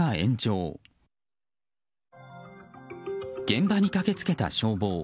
現場に駆け付けた消防。